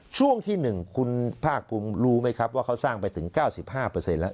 ช่วงที่หนึ่งคุณภาครุมรู้ไหมครับว่าเขาสร้างไปถึงเก้าสิบห้าเปอร์เซ็นต์แล้ว